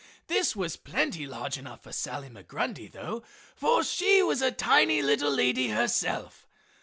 This was plenty large enough for Sally Migrundy though, for she was a tiny little lady herself.